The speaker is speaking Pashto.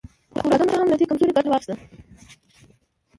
خوارزم شاهانو له دې کمزورۍ ګټه واخیسته.